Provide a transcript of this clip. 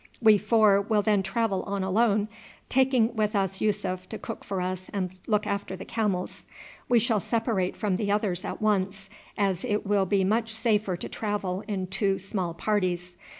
We four will then travel on alone, taking with us Yussuf to cook for us and look after the camels. We shall separate from the others at once, as it will be much safer to travel in two small parties.